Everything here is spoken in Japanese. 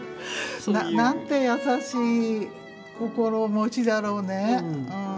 なんて優しい心持ちだろうね。